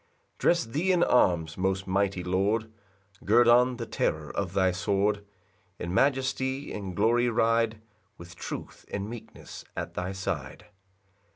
3 Dress thee in arms, most mighty Lord, Gird on the terror of thy sword, In majesty and glory ride With truth and meekness at thy side.